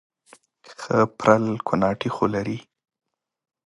ښه پرل کوناټي خو لري